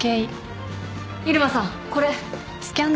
入間さんこれ。